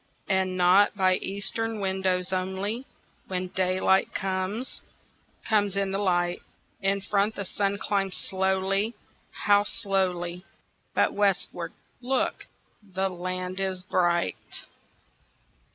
And not by eastern windows only, When daylight comes, comes in the light; In front the sun climbs slow, how slowly! But westward, look, the land is bright!